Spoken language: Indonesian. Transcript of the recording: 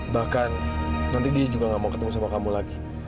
bahkan nanti dia juga gak mau ketemu sama kamu lagi